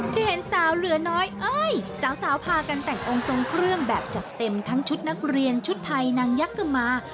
ที่เห็นสาวเหลือน้อยเอ้ยสาวพากันแต่งองค์ทรงเครื่องแบบจัดเต็มทั้งชุดนักเรียนชุดไทยนางยักษ์ขึ้นมา